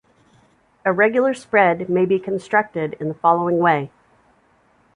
A regular spread may be constructed in the following way.